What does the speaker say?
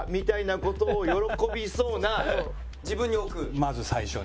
まず最初に。